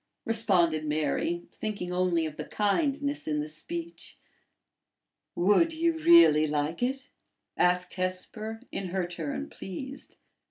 responded Mary, thinking only of the kindness in the speech. "Would you really like it?" asked Hesper, in her turn pleased.